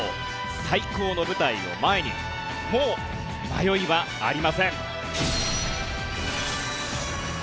最高の舞台を前にもう迷いはありません。